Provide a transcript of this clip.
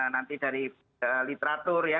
nanti dari literatur ya